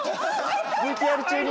ＶＴＲ中に！